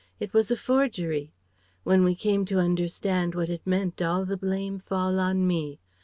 It was a forgery. When we came to understand what it meant all the blame fall on me.